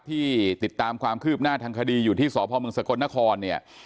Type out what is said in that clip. ที่ติดตามความคืบหน้าทางคดีอยู่ที่สพเมืองสกลนครเนี่ย